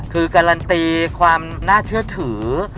คือการันตีความน่าเชื่อถือ